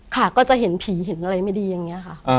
ค่ะก็จะเห็นผีเห็นอะไรไม่ดีอย่างนี้ค่ะ